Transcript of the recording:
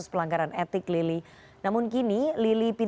selamat sore assalamualaikum